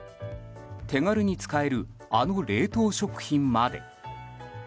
手軽に使えるあの冷凍食品まで。